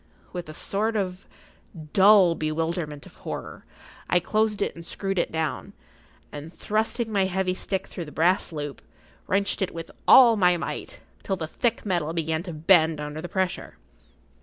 With a sort of dull bewilderment[Pg 47] of horror, I closed it and screwed it down, and thrusting my heavy stick through the brass loop, wrenched it with all my might, till the thick metal began to bend under the pressure.